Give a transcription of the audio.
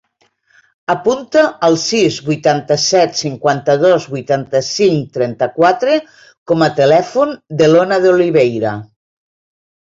Apunta el sis, vuitanta-set, cinquanta-dos, vuitanta-cinc, trenta-quatre com a telèfon de l'Ona De Oliveira.